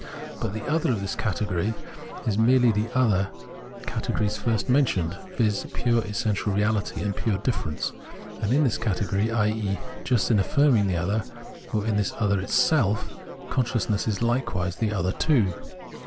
But the " other " of this category is merely the "other" categories iirst mentioned, viz. pure essential reahty and pure difference ; and in this category, i.e. just in affirming the other, or in this other itseK, con sciousness is hkewise the other too.